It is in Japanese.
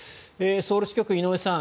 ソウル支局、井上さん